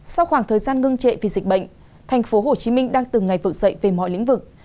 sau khoảng thời gian ngưng trệ vì dịch bệnh thành phố hồ chí minh đang từng ngày vực dậy về mọi lĩnh vực